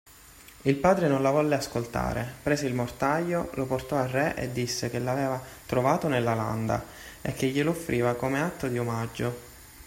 Il padre non la volle ascoltare, prese il mortaio, lo portò al re e disse che l'aveva trovato nella landa, e che glielo offriva come atto di omaggio.